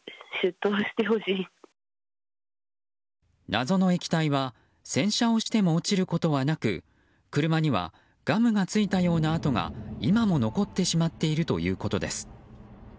謎の液体は洗車をしても落ちることはなく車にはガムがついたような跡が今も残ってしまっているということです。